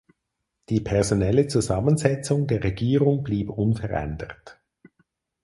Die personelle Zusammensetzung der Regierung blieb unverändert.